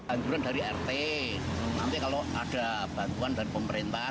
anjuran dari rt nanti kalau ada bantuan dari pemerintah